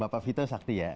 bapak vito sakti ya